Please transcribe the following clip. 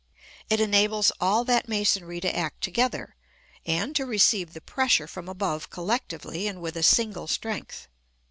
It enables all that masonry to act together, and to receive the pressure from above collectively and with a single strength.